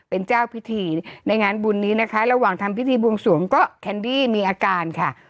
เป็นเจ้าพิธีในงานบุญนี้นะคะระหว่างทำพิธีบวงสวงก็แคนดี้มีอาการค่ะ